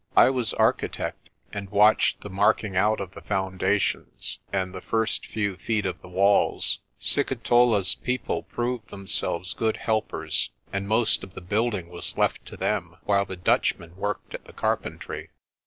I was architect, and watched the marking out of the foundations and the first few feet of the walls. Sikitola's people proved themselves good helpers, and most of the building was left to them, while the Dutchmen worked at the carpentry.